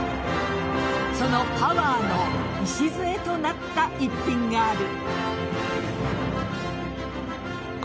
そのパワーの礎となった一品がある。